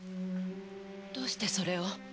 どうしてそれを？